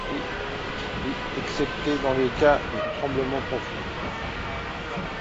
Oui, excepté dans les cas de tremblement profond.